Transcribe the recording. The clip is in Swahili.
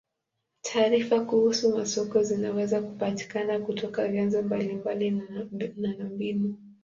Taarifa kuhusu masoko zinaweza kupatikana kutoka vyanzo mbalimbali na na mbinu.